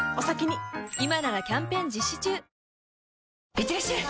いってらっしゃい！